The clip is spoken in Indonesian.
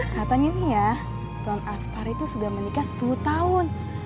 katanya nih ya tuan aspar itu sudah menikah sepuluh tahun